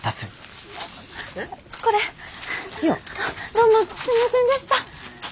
どうもすみませんでした！